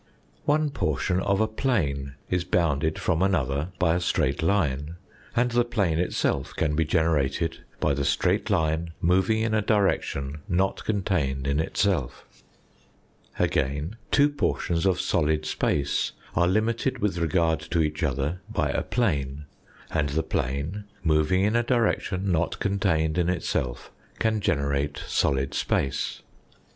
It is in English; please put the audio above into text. One portion of a plane is bounded from another by a straight line, and the plane itself can be generated by the straight line moving in a direction not contained in itself. Again, two portions of solid space are limited with regard to each other by a plane ; and the plane, moving in a direction not contained in itself, can generate solid space.